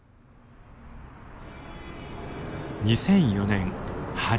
２００４年春。